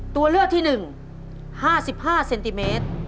ตัวเลือกที่๑๕๕เซนติเมตร